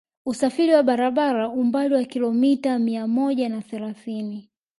Usafiri wa barabara umbali wa kilomita mia moja na thelathini